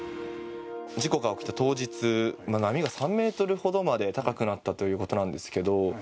事故が起きた当日波が３ｍほどまで高くなったということなんですけど